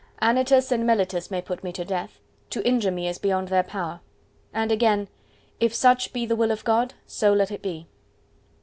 "Anytus and Melitus may put me to death: to injure me is beyond their power." And again:— "If such be the will of God, so let it be."